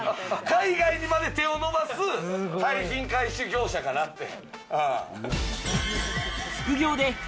海外にまで手を伸ばす廃品回収業者かなって。